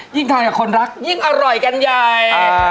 ทานกับคนรักยิ่งอร่อยกันใหญ่